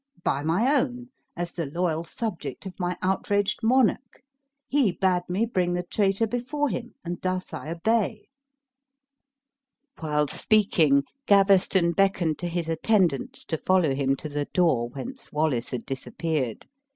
"By my own, as the loyal subject of my outraged monarch. He bade me bring the traitor before him; and thus I obey." While speaking, Gaveston beckoned to his attendants to follow him to the door whence Wallace had disappeared.